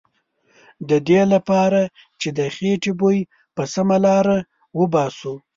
ددې پرځای چې د خیټې بوی په سمه لاره وباسو.